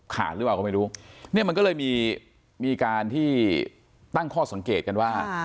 หรือเปล่าก็ไม่รู้เนี่ยมันก็เลยมีการที่ตั้งข้อสังเกตกันว่า